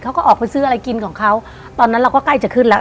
เขาก็ออกไปซื้ออะไรกินของเขาตอนนั้นเราก็ใกล้จะขึ้นแล้ว